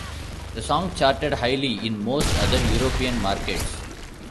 The song charted highly in most other European markets.